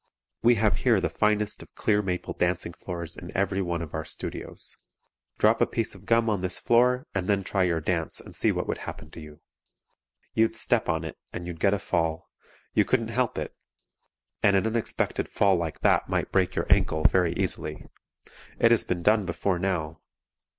We have here the finest of clear maple dancing floors in every one of our studios. Drop a piece of gum on this floor and then try your dance and see what would happen to you. You'd step on it and you'd get a fall; you couldn't help it; and an unexpected fall like that might break your ankle, very easily. It has been done before now.